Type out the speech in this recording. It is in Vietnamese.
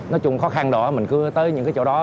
nói chung khó khăn đó mình cứ tới những cái chỗ đó